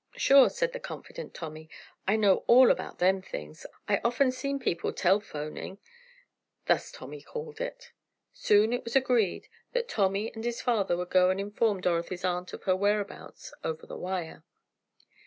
"Sure," said the confident Tommy, "I know all about them things. I often seen people 'telphoning,'" thus Tommy called it. Soon it was agreed that Tommy and his father would go and inform Dorothy's aunt of her whereabouts, over the wire.